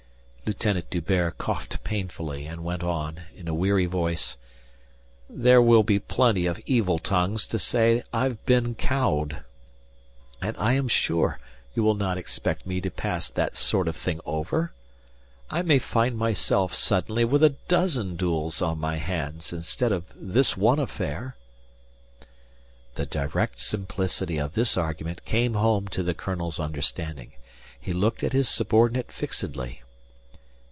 Lieutenant D'Hubert coughed painfully and went on, in a weary voice: "There will be plenty of evil tongues to say that I've been cowed. And I am sure you will not expect me to pass that sort of thing over. I may find myself suddenly with a dozen duels on my hands instead of this one affair." The direct simplicity of this argument came home to the colonel's understanding. He looked at his subordinate fixedly.